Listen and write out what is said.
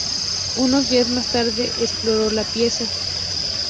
Unos días más tarde, exploró la pieza.